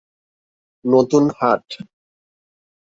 নতুন হাট।